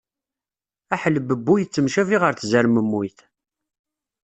Aḥelbebbu yettemcabi ɣer tzermemmuyt.